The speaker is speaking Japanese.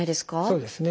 そうですね。